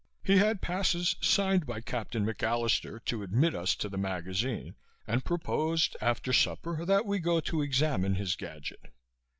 He had passes, signed by Captain McAllister, to admit us to the magazine and proposed, after supper, that we go to examine his gadget.